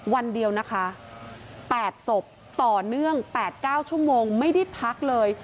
วันเดียวนะคะ๘ศพต่อเนื่อง๘๙ชั่วโมงไม่ได้พักเลย